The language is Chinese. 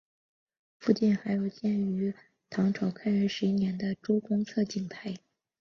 附近还有建于唐朝开元十一年的周公测景台。